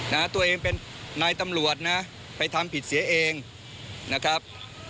นะตัวเองเป็นนายตำรวจนะไปทำผิดเสียเองนะครับ